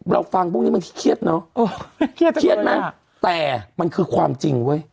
เราฟังพวกนี้มันเครียดเนอะเครียดไหมแต่มันคือความจริงเว้ย